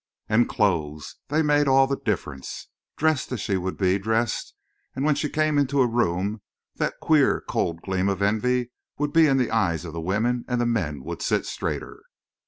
And clothes! They made all the difference. Dressed as she would be dressed, when she came into a room that queer, cold gleam of envy would be in the eyes of the women and the men would sit straighter!